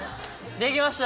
できました！